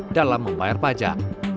dalam membayar pajak